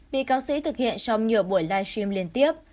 bị cáo sĩ thực hiện trong nhiều buổi live stream liên tiếp